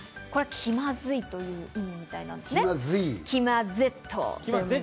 これは気まずいという意味みたいなんですね。